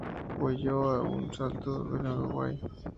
Huyó a Salto, en el Uruguay.